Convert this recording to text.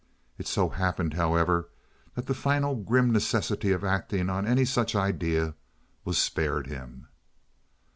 It so happened, however, that the final grim necessity of acting on any such idea was spared him.